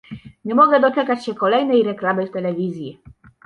Nie mogę doczekać się kolejnej reklamy w telewizji.